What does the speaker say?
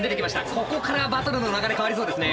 ここからバトルの流れ変わりそうですね。